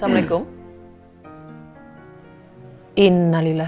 mama angkat dulu ya